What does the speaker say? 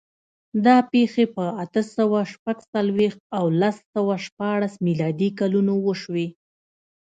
دا پېښې په اته سوه شپږ څلوېښت او لس سوه شپاړس میلادي کلونو وشوې.